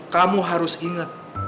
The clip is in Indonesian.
kamu harus inget